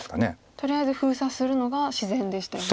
とりあえず封鎖するのが自然でしたよね。